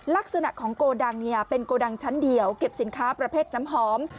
ลักษณะของโกดังเป็นโกดังชั้นเดียวเก็บสินค้าประเภทน้ำหอม